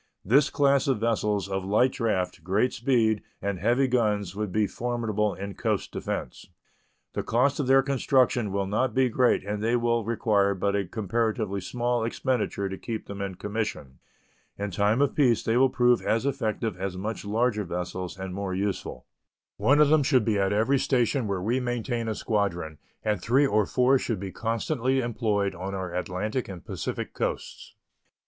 This class of vessels of light draft, great speed, and heavy guns would be formidable in coast defense. The cost of their construction will not be great and they will require but a comparatively small expenditure to keep them in commission. In time of peace they will prove as effective as much larger vessels and more useful. One of them should be at every station where we maintain a squadron, and three or four should be constantly employed on our Atlantic and Pacific coasts.